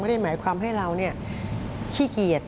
ไม่ได้หมายความให้เราขี้เกียจ